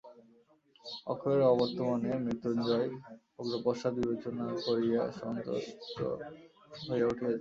অক্ষয়ের অবর্তমানে মৃত্যুঞ্জয় অগ্রপশ্চাৎ বিবেচনা করিয়া সন্ত্রস্ত হইয়া উঠিয়াছে।